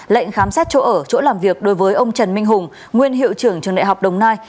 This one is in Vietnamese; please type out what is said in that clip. lệnh khám xét chỗ ở chỗ làm việc đối với ông trần minh hùng nguyên hiệu trưởng trường đại học đồng nai